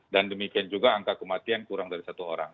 dan demikian juga angka kematian kurang dari satu orang